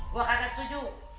gue kata setuju